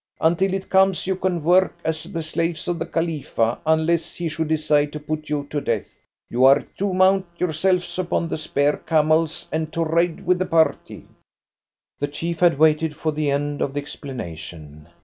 Until it comes you can work as the slaves of the Khalifa, unless he should decide to put you to death. You are to mount yourselves upon the spare camels and to ride with the party." The chief had waited for the end of the explanation.